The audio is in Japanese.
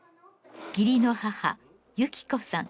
義理の母幸子さん。